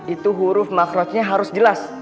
itu huruf makhrotnya harus jelas